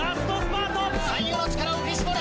最後の力を振り絞れ！